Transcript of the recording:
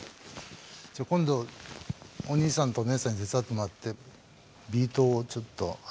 じゃあ今度おにいさんとおねえさんに手伝ってもらってビートをちょっとコツコツと。